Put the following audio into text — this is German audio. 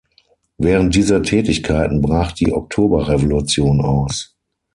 Während dieser Tätigkeiten brach die Oktoberrevolution aus.